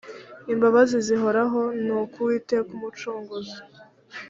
imbabazi zihoraho ni ko uwiteka umucunguzi